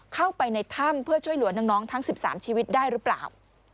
เข้าไปในถ้ำเพื่อช่วยเหลือน้องทั้ง๑๓ชีวิตได้หรือเปล่า